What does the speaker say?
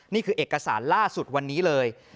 นี่คือเอกสารล่าสุดวันนี้เลย